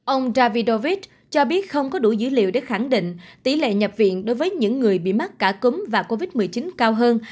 ông javidovic cho biết không có đủ dữ liệu để khẳng định tỷ lệ nhập viện đối với những người bị mắc cả cúm và covid một mươi chín cao hơn